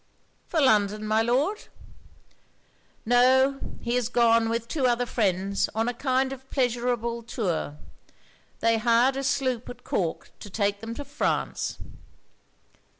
'For London, my Lord?' 'No; he is gone with two other friends on a kind of pleasurable tour. They hired a sloop at Cork to take them to France.'